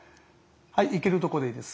いけるとこでいいです。